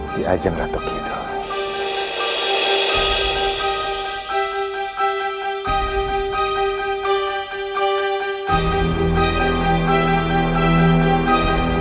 tiajang ratau kita